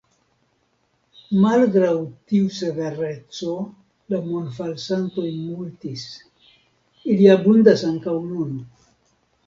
Malgraŭ tiu severeco la monfalsantoj multis; ili abundas ankaŭ nun.